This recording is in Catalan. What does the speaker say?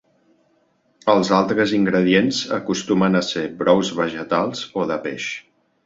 Els altres ingredients acostumen a ser brous vegetals o de peix.